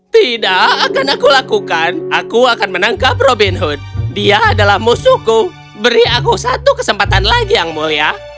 tidak akan aku lakukan aku akan menangkap robin hood dia adalah musuhku beri aku satu kesempatan lagi yang mulia